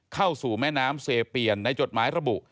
เข้าสู่แม่น้ำเซเปียนในจดหมายระบุ